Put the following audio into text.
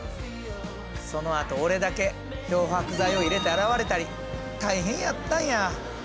そのあと俺だけ漂白剤を入れて洗われたり大変やったんや。